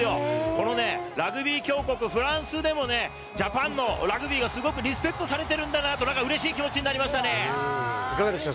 このね、ラグビー強国、フランスでもね、ジャパンのラグビーがすごくリスペクトされてるんだなと、うれしいかがでした？